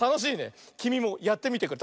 きみもやってみてくれ。